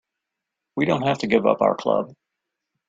We don't have to give up our club.